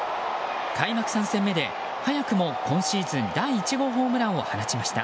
開幕３戦目で早くも今シーズン第１号ホームランを放ちました。